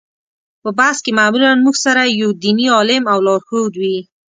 په بس کې معمولا موږ سره یو دیني عالم او لارښود وي.